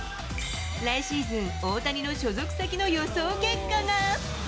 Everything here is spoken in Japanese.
来シーズン、大谷の所属先の予想結果が。